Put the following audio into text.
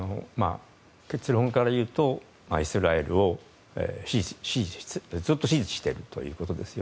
結論から言うとイスラエルをずっと支持しているということです。